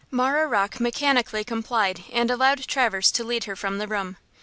Marah Rocke mechanically complied and allowed Traverse to lead her from the room.